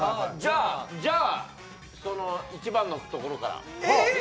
じゃあ１番のところから。